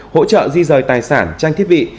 hỗ trợ di rời tài sản tranh thiết bị